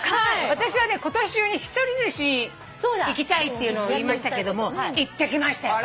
私はね今年中にひとり寿司行きたいっていうのを言いましたけども行ってきましたよ。